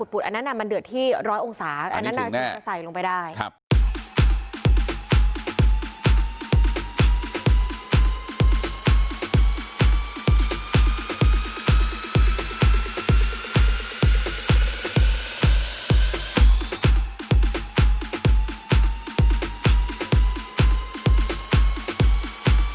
โปรดติดตามตอนต่อไป